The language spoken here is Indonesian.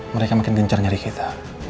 mereka makin gencar nyari kita